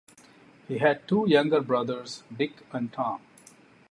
He had two younger brothers, Dick and Tom.